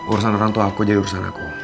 urusan orang tua aku jadi urusan aku